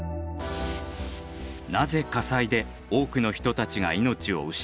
なぜ火災で多くの人たちが命を失ったのか？